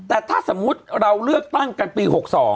แต่ถ้าสมมุติเราเลือกตั้งกันปี๖๒